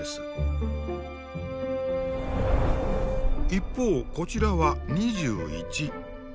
一方こちらは２１。